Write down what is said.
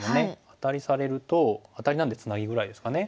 アタリされるとアタリなんでツナギぐらいですかね。